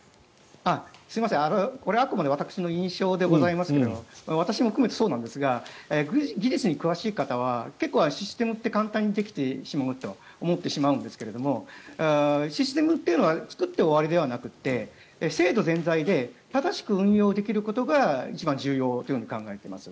これ、あくまで私の印象でございますが私も含めてそうなんですが技術に詳しい方は結構、システムって簡単にできてしまうと思ってしまうんですがシステムっていうのは作って終わりではなくて制度全体で正しく運用できることが一番重要と考えています。